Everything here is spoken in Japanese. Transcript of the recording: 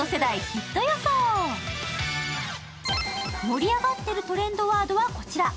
盛り上がってるトレンドワードは、こちら。